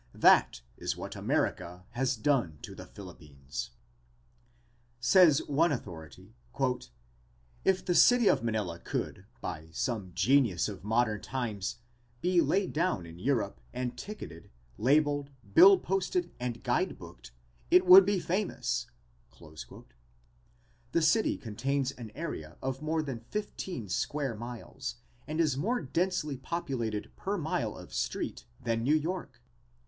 That is what America has done to the Philippines." "If the city of Manila could, by some genius of modern times, be laid down in Europe and ticketed, labeled, bill posted and guide booked, it would be famous," says one authority. The city contains an area of more than fifteen square miles and is more densely populated per mile of street than New York.